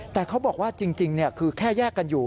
แต่เขาบอกว่าจริงคือแค่แยกกันอยู่